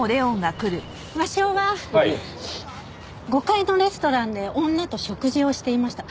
５階のレストランで女と食事をしていました。